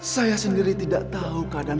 saya sendiri tidak tahu keadaan